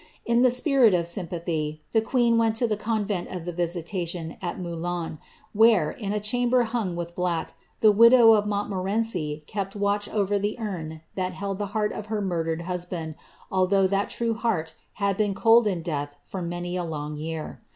In the spirit of sjropatliy, the queen went to the convent of the Visitation^ at MovbUdi, where, in a chamber hung with black, the widow of MontmoreBci kepi watch over the urn tliat held the heart of her murdered husband, al chough that true heart had been cold in death for many a long yen*.